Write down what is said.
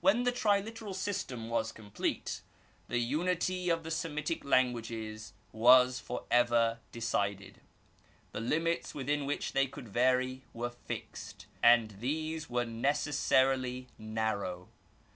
When the triliteral system was complete, the unity of the Semitic languages was for ever decided. The limits within which they could vary were fixed, and these were necessarily narrow.